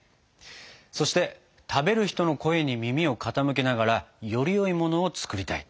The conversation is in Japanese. そして食べる人の声に耳を傾けながらよりよいものを作りたい。